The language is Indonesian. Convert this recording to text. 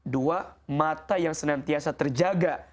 dua mata yang senantiasa terjaga